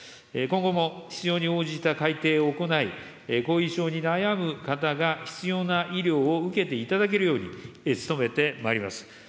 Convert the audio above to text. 今後も必要に応じた改定を行い、後遺症に悩む方が必要な医療を受けていただけるように、努めてまいります。